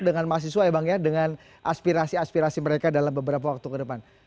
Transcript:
dengan mahasiswa ya bang ya dengan aspirasi aspirasi mereka dalam beberapa waktu ke depan